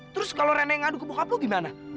terus kalo ren yang ngaduk ke bokap lo gimana